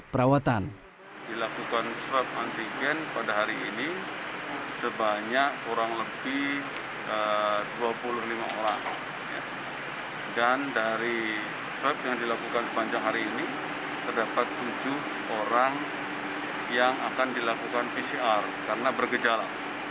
terdapat tujuh orang yang akan dilakukan pcr karena bergejala